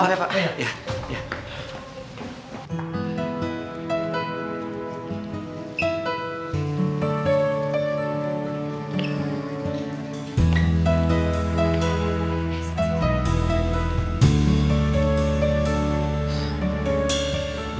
maaf ya pak